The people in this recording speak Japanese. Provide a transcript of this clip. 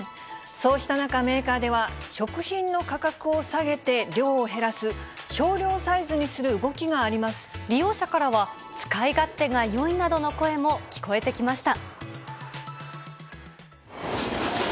そうした中、メーカーでは、食品の価格を下げて量を減らす、利用者からは、使い勝手がよいなどの声も聞こえてきました。